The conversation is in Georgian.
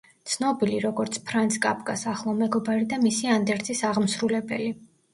ცნობილი, როგორც ფრანც კაფკას ახლო მეგობარი და მისი ანდერძის აღმსრულებელი.